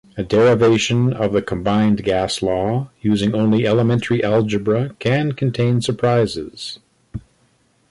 A derivation of the combined gas law using only elementary algebra can contain surprises.